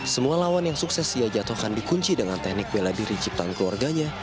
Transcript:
semua lawan yang sukses ia jatuhkan dikunci dengan teknik bela diri ciptaan keluarganya